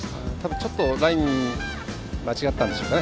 ちょっとライン間違ったんでしょうね。